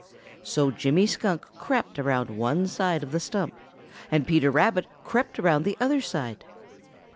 So Jimmy Skunk crept around one side of the stump, and Peter Rabbit crept around the other side.